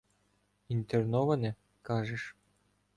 Інтерноване, кажеш.